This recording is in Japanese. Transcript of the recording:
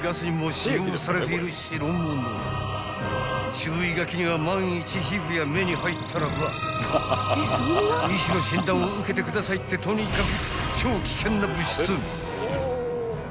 ［注意書きには万一皮膚や目に入ったらば医師の診断を受けてくださいってとにかく］